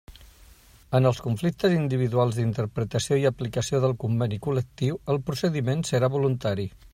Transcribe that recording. En els conflictes individuals d'interpretació i aplicació del Conveni Col·lectiu el procediment serà voluntari.